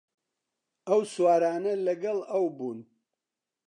ئەو سوارانە لەگەڵ ئەو بوون